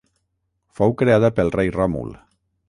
Fou creada pel rei Ròmul.